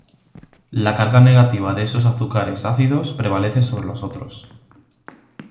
La carga negativa de estos azúcares ácidos prevalece sobre los otros.